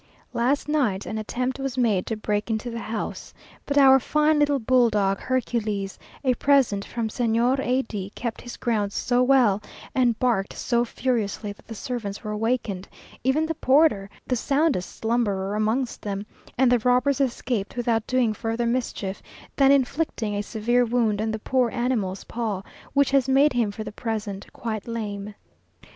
Last night an attempt was made to break into the house, but our fine little bull dog Hercules, a present from Señor A d, kept his ground so well, and barked so furiously, that the servants were awakened, even the porter, the soundest slumberer amongst them; and the robbers escaped without doing further mischief than inflicting a severe wound on the poor animal's paw, which has made him for the present quite lame.